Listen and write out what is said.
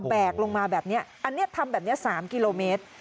แกกลงมาแบบนี้อันนี้ทำแบบนี้๓กิโลเมตร